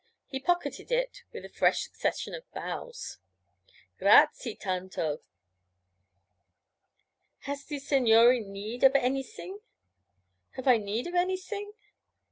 He pocketed it with a fresh succession of bows. 'Grazie tanto! Has ze signore need of anysing?' 'Have I need of anysing?'